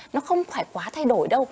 nó không phải quá thay đổi đâu